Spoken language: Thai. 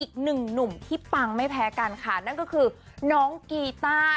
อีกหนึ่งหนุ่มที่ปังไม่แพ้กันค่ะนั่นก็คือน้องกีต้า